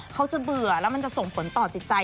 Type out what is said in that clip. เขาจะเบื่อแล้วมันจะส่งผลต่อจิตใจ